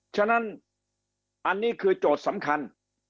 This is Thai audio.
ฉะนั้นอันนี้คือโจทย์สำคัญ